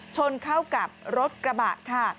ชนเข้ากับรถกระบะค่ะ